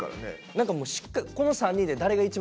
何かもうこの３人で誰が一番